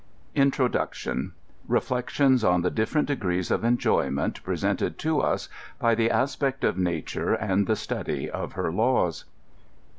INTEODUCTION. REFLEOTIOMS OM THE DIFFERENT DEGREES OF EMJOrMENT PRE SENTED TO US BY THE ASPECT OF NATURE AND THE 8TUDT OF HER LAWS.